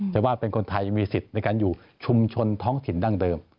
แต่ว่าเป็นคนไทยยังมีสิทธิ์ในการอยู่ชุมชนท้องถิ่นดั้งเดิม